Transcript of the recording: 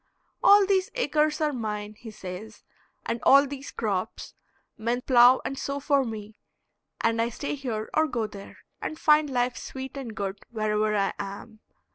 All these acres are mine, he says, and all these crops; men plow and sow for me, and I stay here or go there, and find life sweet and good wherever I am.